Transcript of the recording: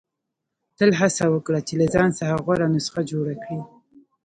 • تل هڅه وکړه چې له ځان څخه غوره نسخه جوړه کړې.